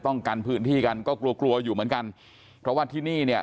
กันพื้นที่กันก็กลัวกลัวอยู่เหมือนกันเพราะว่าที่นี่เนี่ย